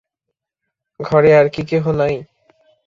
ঘরে আর কি কেহ নাই?